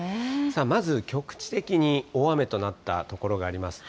まず、局地的に大雨となった所があります。